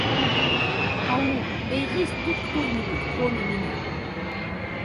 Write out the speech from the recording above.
Ау? Эй, есть тут кто-нибудь, кроме меня?